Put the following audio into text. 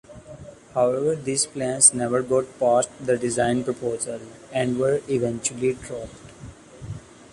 However these plans never got past the design proposal, and were eventually dropped.